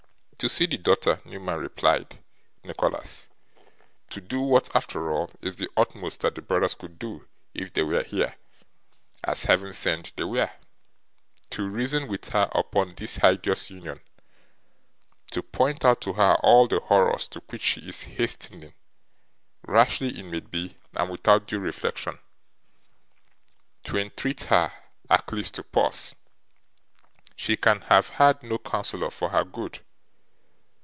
'To see the daughter, Newman,' replied Nicholas. 'To do what, after all, is the utmost that the brothers could do, if they were here, as Heaven send they were! To reason with her upon this hideous union, to point out to her all the horrors to which she is hastening; rashly, it may be, and without due reflection. To entreat her, at least, to pause. She can have had no counsellor for her good.